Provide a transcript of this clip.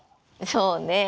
そうね。